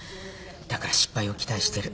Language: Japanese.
だから失敗を期待してる。